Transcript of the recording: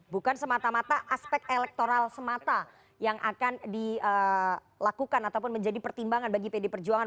bukan semata mata aspek elektoral semata yang akan dilakukan ataupun menjadi pertimbangan bagi pd perjuangan